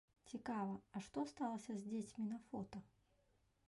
Цікава, а што сталася з дзецьмі на фота?